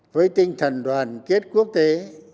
với tinh thần đoàn kết quốc tế